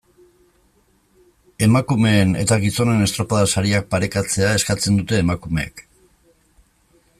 Emakumeen eta gizonen estropada-sariak parekatzea eskatzen dute emakumeek.